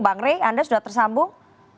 bang rey anda sudah tersambung